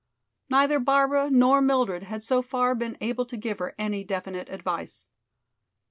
Neither Barbara nor Mildred had so far been able to give her any definite advice.